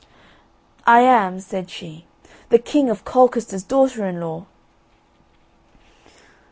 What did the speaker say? "I am," said she, "the King of Colchester's daughter in law."